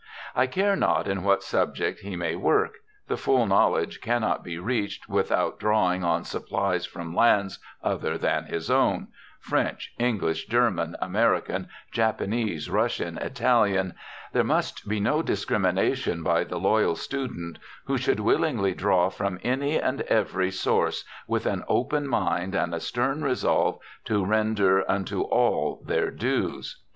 I care not in what subject he may work, the full knowledge cannot be reached without drawing on supplies from lands other than his own French, English, German, American, Japanese, Russian, Italian there must be no discrimination by the loyal student who should willingly draw from any and every source with an open mind and a stern resolve to render unto all their dues.